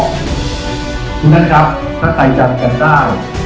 คุณท่านครับถ้าใครจำกันได้